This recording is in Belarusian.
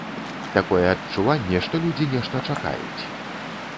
Такое адчуванне, што людзі нешта чакаюць.